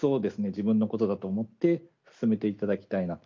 自分のことだと思って進めていただきたいなと。